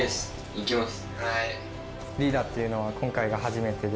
行きます。